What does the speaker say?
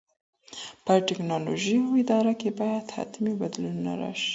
په ټیکنالوژۍ او اداره کي باید حتمي بدلونونه راسي.